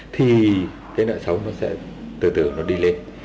thì cái nợ xấu nó sẽ từ từ nó đi lên